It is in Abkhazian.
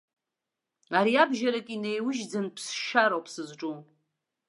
Ариабжьарак инеиужьӡан ԥсшьароуп сызҿу.